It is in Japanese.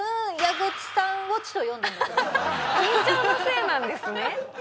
緊張のせいなんですね？